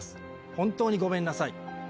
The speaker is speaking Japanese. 本当にごめんなさい。